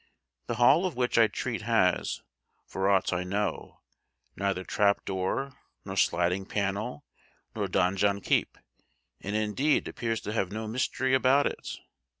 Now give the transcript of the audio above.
The Hall of which I treat has, for aught I know, neither trap door, nor sliding panel, nor donjon keep: and indeed appears to have no mystery about it.